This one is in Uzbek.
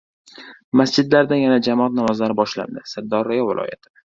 Masjidlarda yana jamoat namozlari boshlandi – Sirdaryo viloyati